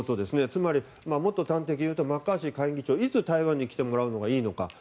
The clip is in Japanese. つまり、もっと端的に言うとマッカーシー下院議長はいつ台湾に来てもらうのがいいのかと。